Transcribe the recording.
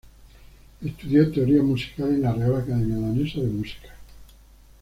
Estudió teoría musical en la Real Academia Danesa de Música.